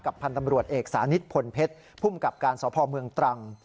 กับพันธ์ตำรวจเอกสานิชผลเพชรพุ่มกรรมการสพเมืองตรัง